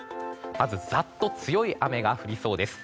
まずザッと強い雨が降りそうです。